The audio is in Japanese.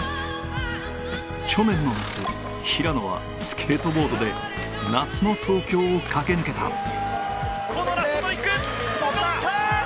去年の夏、平野はスケートボードで夏の東京を駆け抜けた。